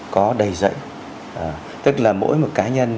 có đầy dậy tức là mỗi một cá nhân